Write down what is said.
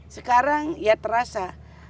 sekarang ya terasa